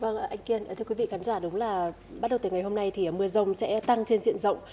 vâng anh kiên thưa quý vị khán giả đúng là bắt đầu từ ngày hôm nay thì mưa rông sẽ tăng trên diện rộng